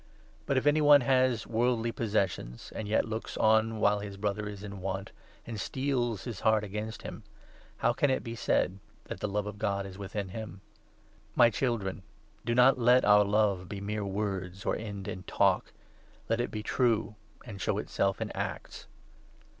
But, if 17 any one has worldly possessions, and yet looks on while his Brother is in want, and steels his heart against him, how can it be said that the love of God is within him ? My 18 Children, do not let our love be mere words, or end in talk ; let it be true and show itself in acts.